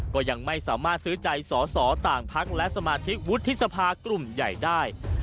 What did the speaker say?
ก็ยังไม่สามารถซื้อใจสอสอต่างพักและสมาธิกวุฒิสภากลุ่มใหญ่ได้